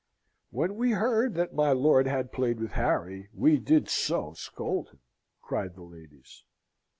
"When we heard that my lord had played with Harry, we did so scold him," cried the ladies.